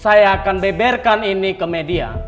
saya akan beberkan ini ke media